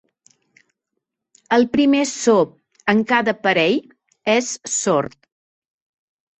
El primer so en cada parell és sord.